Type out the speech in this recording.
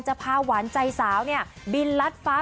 จะพาหวานใจสาวบินลัดฟ้า